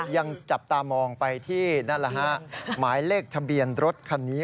ยังจับตามองไปที่นั่นแหละฮะหมายเลขทะเบียนรถคันนี้